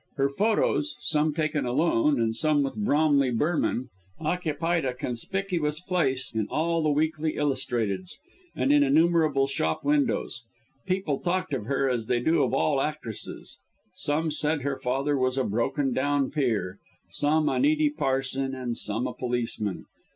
Her photos, some taken alone, and some with Bromley Burnham, occupied a conspicuous place in all the weekly illustrateds, and in innumerable shop windows. People talked of her as they do of all actresses. Some said her father was a broken down peer; some, a needy parson, and some, a policeman!